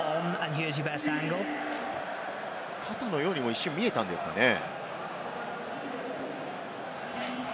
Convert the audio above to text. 肩のようにも一瞬見えたんですけれどもね。